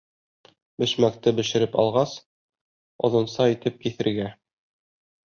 Бәшмәкте бешереп алғас, оҙонса итеп киҫергә.